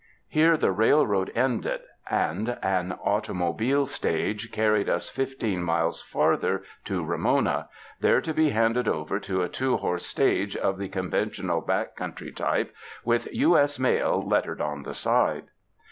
Here the railroad ended and an automobile stage carried us fifteen miles farther to Ramona, there to be handed over to a two horse stage of the conventional back country tyi)e with *'U. S. Mail" lettered on the side.